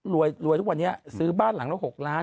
ลวยไวร่วิวันนี้ซื้อบ้านหลังแล้ว๖ล้าน